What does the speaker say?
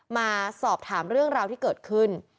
มาสอบถามเรื่องราวที่เกิดขึ้น